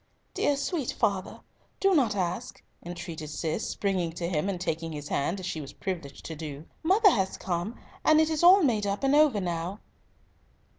"Dear sir, sweet father, do not ask," entreated Cis, springing to him, and taking his hand, as she was privileged to do; "mother has come, and it is all made up and over now."